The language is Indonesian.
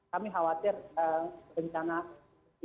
kami khawatir bencana yang lain